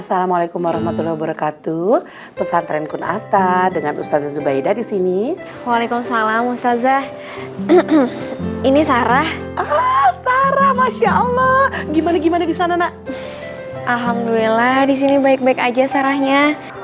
sampai jumpa di video selanjutnya